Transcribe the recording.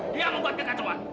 dia membuat kekacauan